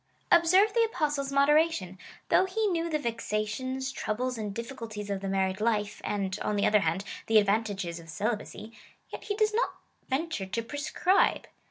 Observe the Apostle's moderation.^ Though he knew the vexations, troubles, and difficulties of the married life, and, on the other hand, the advantages of celibacy, yet he does not venture to prescribe.